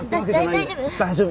大丈夫？